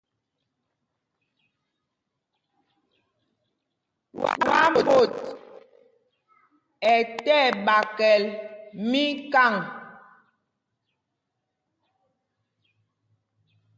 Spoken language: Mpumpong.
Twaamot ɛ tí ɛɓakɛl míkâŋ.